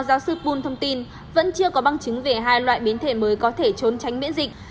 phó giáo sư poon thông tin vẫn chưa có băng chứng về hai loại biến thể mới có thể trốn tránh biễn dịch